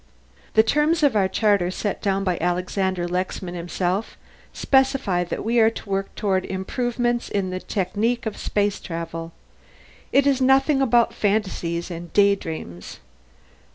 "The terms of our charter, set down by Alexander Lexman himself, specify that we are to work toward improvements in the technique of space travel. It said nothing about fantasies and daydreams.